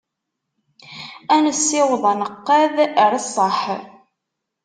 Ad nessiweḍ aneqqad ar ṣṣeḥ.